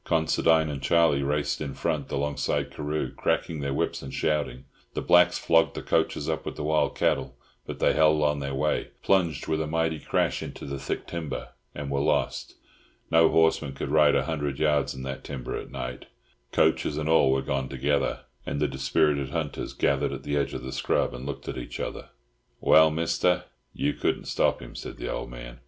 Considine and Charlie raced in front, alongside Carew, cracking their whips and shouting; the blacks flogged the coachers up with the wild cattle; but they held on their way, plunged with a mighty crash into the thick timber, and were lost. No horseman could ride a hundred yards in that timber at night. Coachers and all were gone together, and the dispirited hunters gathered at the edge of the scrub and looked at each other. "Well, Mister, you couldn't stop him," said the old man.